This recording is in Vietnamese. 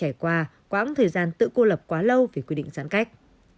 hãng hàng không cathay pacific đã kể qua quãng thời gian tự cô lập quá lâu vì quy định giãn cách